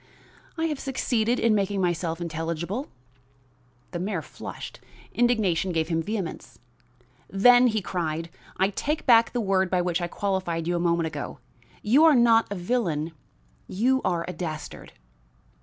"I have succeeded in making myself intelligible." The mayor flushed; indignation gave him vehemence. "Then," he cried, "I take back the word by which I qualified you a moment ago. You are not a villain, you are a dastard."